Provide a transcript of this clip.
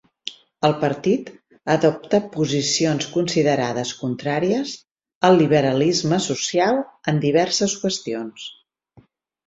El partit adopta posicions considerades contràries al liberalisme social en diverses qüestions.